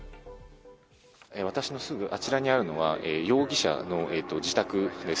私のすぐあちらにあるのは容疑者の自宅です。